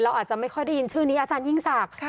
อาจจะไม่ค่อยได้ยินชื่อนี้อาจารยิ่งศักดิ์